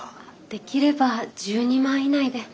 できれば１２万以内で。